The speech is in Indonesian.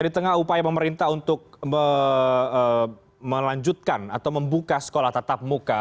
di tengah upaya pemerintah untuk melanjutkan atau membuka sekolah tatap muka